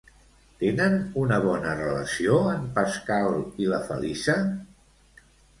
Tenen una bona relació en Pascal i la Feliça?